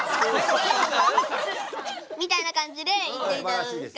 みたいな感じで言ってみたらどうですか？